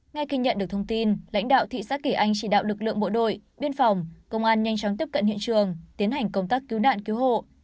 ngay khi nhận được thông tin lãnh đạo thị xã kỳ anh chỉ đạo lực lượng bộ đội biên phòng công an nhanh chóng tiếp cận hiện trường tiến hành công tác cứu nạn cứu hộ